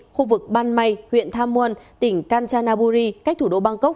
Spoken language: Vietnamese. khu vực ban may huyện tham muôn tỉnh kanchanaburi cách thủ đô bangkok